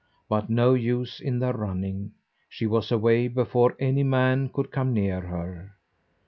But no use in their running; she was away before any man could come near her.